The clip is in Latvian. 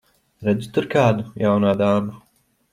Redzi tur kādu, jaunā dāma?